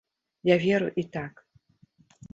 Я веру і так.